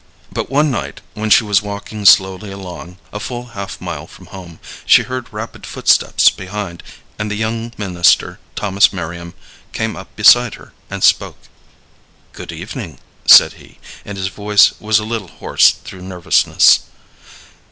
But one night when she was walking slowly along, a full half mile from home, she heard rapid footsteps behind, and the young minister, Thomas Merriam, came up beside her and spoke. "Good evening," said he, and his voice was a little hoarse through nervousness.